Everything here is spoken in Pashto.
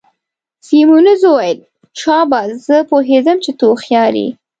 سیمونز وویل: شاباس، زه پوهیدم چي ته هوښیار يې.